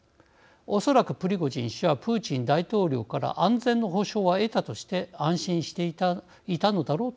おそらくプリゴジン氏はプーチン大統領から安全の保証は得たとして安心していたのだろうと思います。